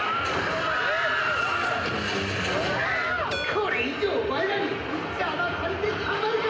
これ以上お前らに邪魔されてたまるか！